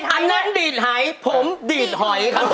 อันนั้นดีดหอยผมดีดหอยครับผม